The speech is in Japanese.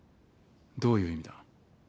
どういう意味だ？